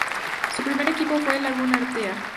Su primer equipo fue el Lagun Artea.